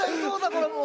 これもう。